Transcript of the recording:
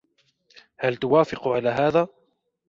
هل توافق على هذا ؟